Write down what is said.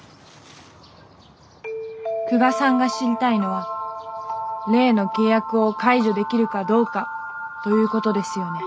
久我さんが知りたいのは例の契約を解除できるかどうかということですよね。